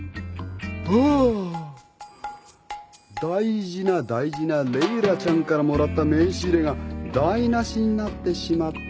大事な大事なレイラちゃんからもらった名刺入れが台無しになってしまった。